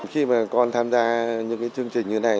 khi mà con tham gia những cái chương trình như này